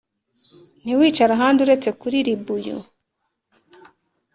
ntiwicare ahandi uretse kuri ribuyu